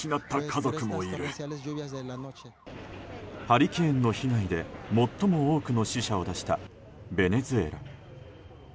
ハリケーンの被害で最も多くの死者を出したベネズエラ。